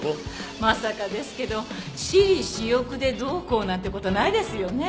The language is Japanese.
まさかですけど私利私欲でどうこうなんてことないですよね？